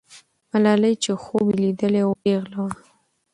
ملالۍ چې خوب یې لیدلی وو، پیغله وه.